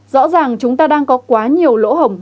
rõ ràng chúng ta đang có quá nhiều lỗ hồng